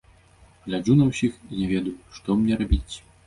Гляджу на ўсіх, і не ведаю, што мне рабіць.